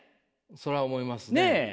そら思いますね。